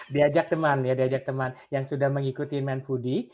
diajak teman ya diajak teman yang sudah mengikuti men s foodie